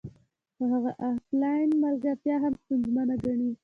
خو هغه افلاین ملګرتیا هم ستونزمنه ګڼي